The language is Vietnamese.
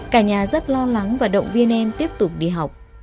cả nhà rất lo lắng và động viên em tiếp tục đi học